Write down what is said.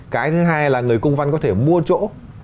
cái thứ hai là người cung văn có thể mua chỗ